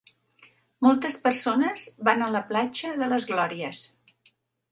Moltes persones van a la platja de Las Glorias.